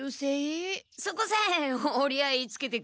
そこさえおり合いつけてくれれば。